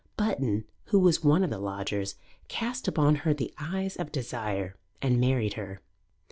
Button, who was one of the lodgers, cast upon her the eyes of desire and married her.